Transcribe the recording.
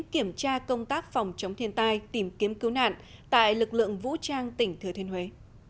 kiểm tra công tác phòng chống thiên tai tìm kiếm cứu nạn tại lực lượng vũ trang tỉnh thừa thiên huế